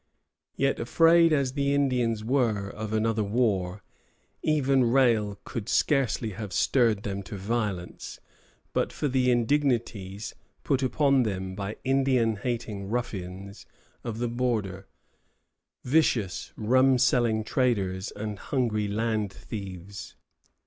Yet afraid as the Indians were of another war, even Rale could scarcely have stirred them to violence but for the indignities put upon them by Indian hating ruffians of the border, vicious rum selling traders, and hungry land thieves.